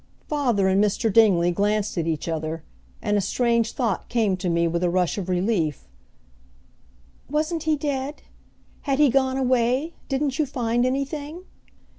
Father and Mr. Dingley glanced at each other, and a strange thought came to me with a rush of relief. "Wasn't he dead, had he gone away, didn't you find anything?"